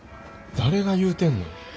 誰が言うてんの？